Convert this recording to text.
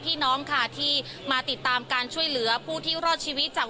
พูดสิทธิ์ข่าวธรรมดาทีวีรายงานสดจากโรงพยาบาลพระนครศรีอยุธยาครับ